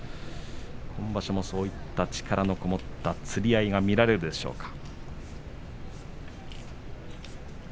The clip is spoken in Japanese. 今場所もそういった力のこもったつり合いが見られるでしょうか。